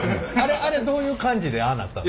あれどういう感じでああなった？